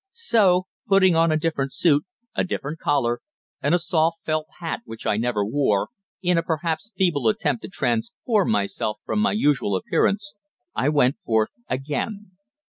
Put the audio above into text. So, putting on a different suit, a different collar, and a soft felt hat which I never wore, in a perhaps feeble attempt to transform myself from my usual appearance, I went forth again.